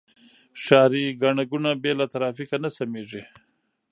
ښاري ګڼه ګوڼه بې له ترافیکه نه سمېږي.